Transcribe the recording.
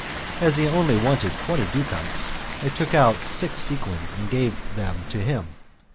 As he only wanted twenty ducats, I took out six sequins and gave them to him.